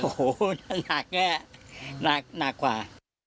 โอ้โหหนักแย่หนักกว่า